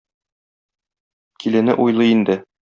Килене уйлый инде